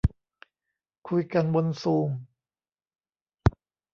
คุยกันบนซูม